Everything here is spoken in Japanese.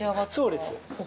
◆そうです。